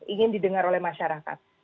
ingin didengar oleh masyarakat